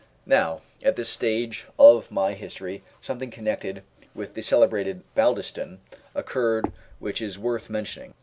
Now, at this stage of my history something connected with the celebrated Baldiston occurred which is worth mentioning.